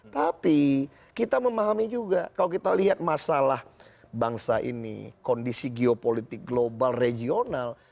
tapi kita memahami juga kalau kita lihat masalah bangsa ini kondisi geopolitik global regional